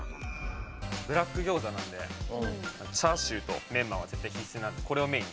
ブラックギョーザなんでチャーシューとメンマは必須なんでこれをメインに。